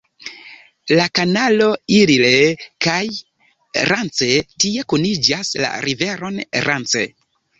La kanalo Ille-kaj-Rance tie kuniĝas la riveron Rance.